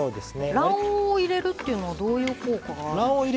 卵黄を入れるっていうのはどういう効果があるんですか？